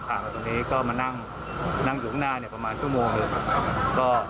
ผ่านมาตรงนี้มานั่งหนังถึงของนาเนี่ยประมาณชั่วโมงหนึ่ง